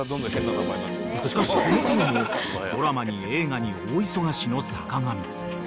［しかしこのころもドラマに映画に大忙しの坂上］